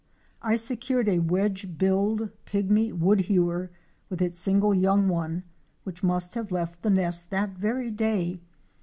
I secured a Wedge billed Pygmy Woodhewer" with its single young one, which must have left the nest that very day.